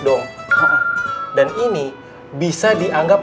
dong dan ini bisa dianggap